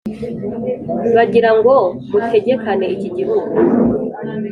Bagira ngo mutegekane iki gihugu